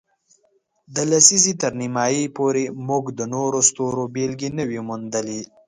د لسیزې تر نیمایي پورې، موږ د نورو ستورو بېلګې نه وې موندلې.